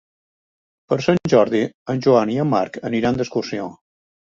Per Sant Jordi en Joan i en Marc iran d'excursió.